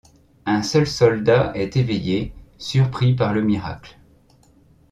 Un seul soldat est éveillé, surpris par le miracle.